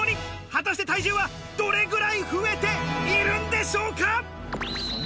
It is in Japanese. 果たして体重はどれくらい増えているんでしょうか。